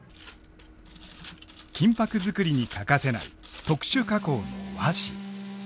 金箔作りに欠かせない特殊加工の和紙。